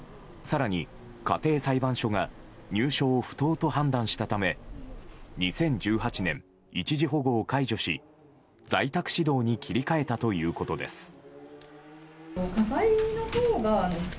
更に、家庭裁判所が入所を不当と判断したため２０１８年、一時保護を解除し在宅指導に切り替えたということです。